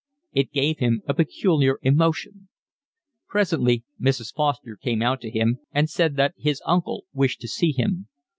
It gave him a peculiar emotion. Presently Mrs. Foster came out to him and said that his uncle wished to see him.